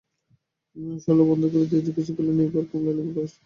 সরলা বন্ধ করে দিয়ে জিজ্ঞাসা করলে, এইবার কমলালেবুর রস নিয়ে আসি।